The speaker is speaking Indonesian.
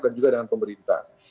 dan juga dengan pemerintah